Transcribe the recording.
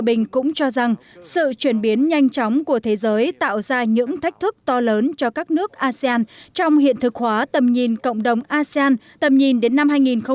hòa bình cũng cho rằng sự chuyển biến nhanh chóng của thế giới tạo ra những thách thức to lớn cho các nước asean trong hiện thực hóa tầm nhìn cộng đồng asean tầm nhìn đến năm hai nghìn bốn mươi năm